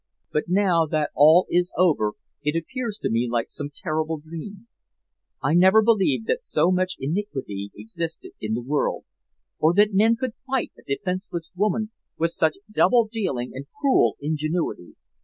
But now that all is over it appears to me like some terrible dream. I never believed that so much iniquity existed in the world, or that men could fight a defenseless woman with such double dealing and cruel ingenuity.